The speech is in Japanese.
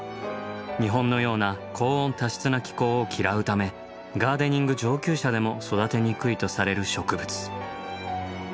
日本のような高温多湿な気候を嫌うためガーデニング上級者でも育てにくいとされる植物。